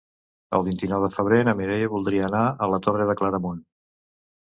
El vint-i-nou de febrer na Mireia voldria anar a la Torre de Claramunt.